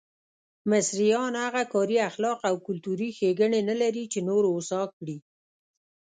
مصریان هغه کاري اخلاق او کلتوري ښېګڼې نه لري چې نور هوسا کړي.